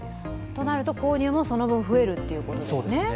となると購入もその分増えるってことですね。